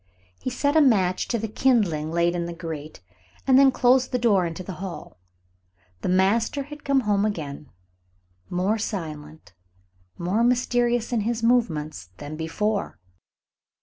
He set a match to the kindling laid in the grate, and then closed the door into the hall. The master had come home again, more silent, more mysterious in his movements than before.